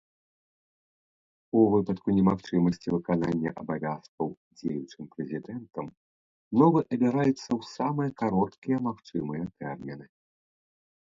У выпадку немагчымасці выканання абавязкаў дзеючым прэзідэнтам новы абіраецца ў самыя кароткія магчымыя тэрміны.